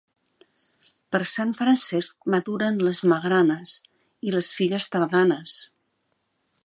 Per Sant Francesc maduren les magranes i les figues tardanes.